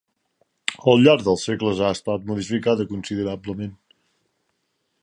Al llarg dels segles ha estat modificada considerablement.